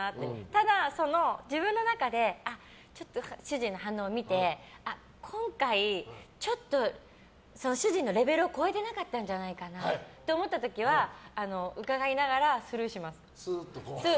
ただ、自分の中で主人の反応を見て今回、ちょっと主人のレベルを超えてなかったんじゃないかなと思った時はうかがいながら、スルーします。